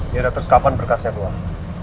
dia ada terus kapan berkasnya buang